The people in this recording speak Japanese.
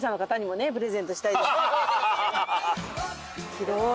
広い！